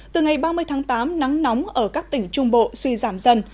từ ngày ba mươi tháng tám nắng nóng ở các tỉnh trung bộ suy giảm dần